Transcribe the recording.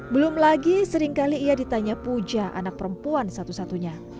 belum lagi seringkali ia ditanya puja anak perempuan satu satunya